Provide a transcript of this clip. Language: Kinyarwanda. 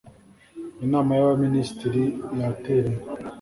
inama y’abaminisitiri yateranye